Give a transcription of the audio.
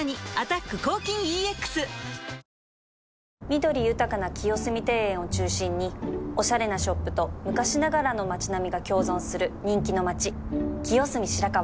緑豊かな清澄庭園を中心におしゃれなショップと昔ながらの町並みが共存する人気の街清澄白河